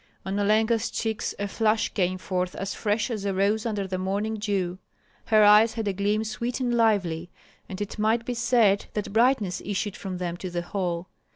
On Olenka's cheeks a flush came forth as fresh as a rose under the morning dew; her eyes had a gleam sweet and lively, and it might be said that brightness issued from them to the hall.